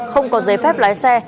không có giấy phép lái xe